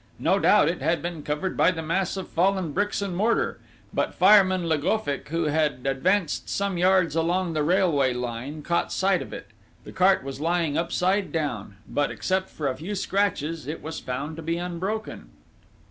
No doubt, it had been covered by the mass of fallen bricks and mortar! But fireman Le Goffic, who had advanced some yards along the railway line, caught sight of it. The cart was lying upside down; but, except for a few scratches, it was found to be unbroken.